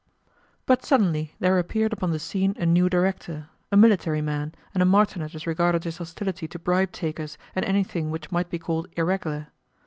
But suddenly there appeared upon the scene a new Director a military man, and a martinet as regarded his hostility to bribe takers and anything which might be called irregular.